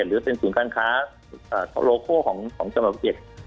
หรือเป็นศูนย์การค้าโลโคของจังหวัดภูเก็ต